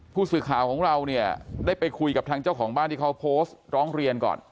ผู้สื่อข่าวของเราเนี่ยได้ไปคุยกับทางเจ้าของบ้านที่เขาโพสต์ร้องเรียนก่อน